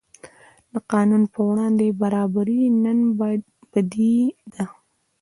د قانون پر وړاندې برابري نن بدیهي ده.